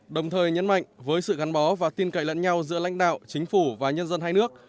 đồng thời nhấn mạnh với sự gắn bó và tin cậy lẫn nhau giữa lãnh đạo chính phủ và nhân dân hai nước